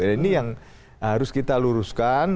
ini yang harus kita luruskan